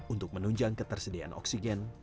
untuk menunjang ketersediaan oksigen